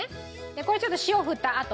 これちょっと塩を振ったあと。